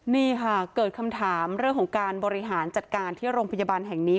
นี่ค่ะเกิดคำถามเรื่องของการบริหารจัดการที่โรงพยาบาลแห่งนี้